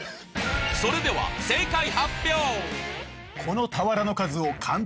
それでは正解発表！